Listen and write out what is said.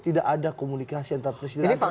tidak ada komunikasi antar presiden antar presiden